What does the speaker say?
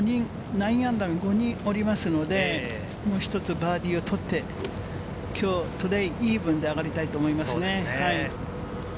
−９が５人おりますので、もう１つバーディーを取って、今日、トゥデイイーブンで上がりたいと思いますね。